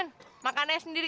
terima kasih entar dia